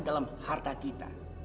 dalam harta kita